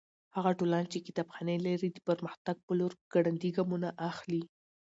هغه ټولنه چې کتابخانې لري د پرمختګ په لور ګړندي ګامونه اخلي.